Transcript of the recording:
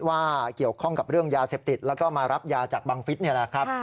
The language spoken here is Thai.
ว่าเกี่ยวข้องกับเรื่องยาเสพติดแล้วก็มารับยาจับบังฤษ